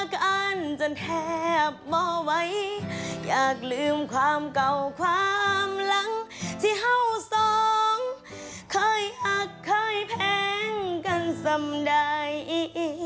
เคยอักเคยแพ้งกันสำได้